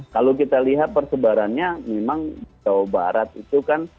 kalau kita lihat persebarannya memang jawa barat itu kan